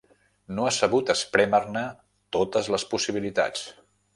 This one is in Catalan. No ha sabut esprémer-ne totes les possibilitats.